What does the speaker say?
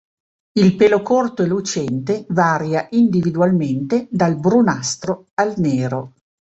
Il pelo corto e lucente, varia individualmente dal brunastro al nero.